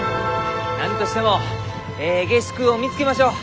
何としてもえい下宿を見つけましょう。